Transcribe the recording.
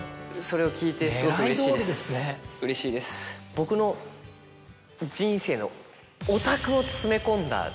僕の人生の。